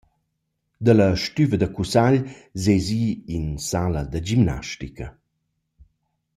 Da la stüva da cussagl s’esa i in sala da gimnastica.